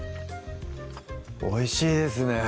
おいしいですね